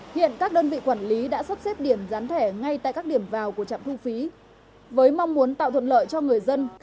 hiện các đơn vị quản lý đã sắp xếp điểm gián thẻ ngay tại các điểm vào của trạm thu phí với mong muốn tạo thuận lợi cho người dân